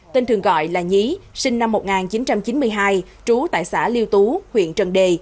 tên thường gọi là nhí sinh năm một nghìn chín trăm chín mươi hai trú tại xã liêu tú huyện trần đề